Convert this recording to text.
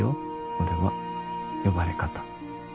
俺は呼ばれ方。